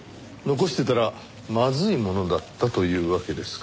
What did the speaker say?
残してたらまずいものだったというわけですか。